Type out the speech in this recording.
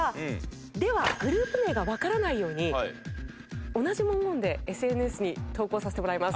ではグループ名がわからないように同じ文言でＳＮＳに投稿させてもらいます。